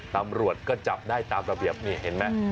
ตำรวจก็จับได้ตามระเบียบนี่เห็นไหม